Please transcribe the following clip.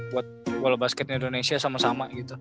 buat bola basket indonesia sama sama gitu